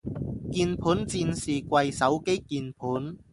鍵盤戰士跪手機鍵盤